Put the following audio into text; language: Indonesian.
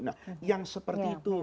nah yang seperti itu